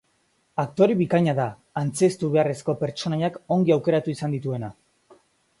Aktore bikaina da, antzeztu beharreko pertsonaiak ongi aukeratu izan dituena.